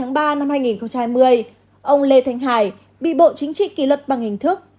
ngày hai mươi tháng ba năm hai nghìn hai mươi ông lê thành hải bị bộ chính trị kỳ luật bằng hình thức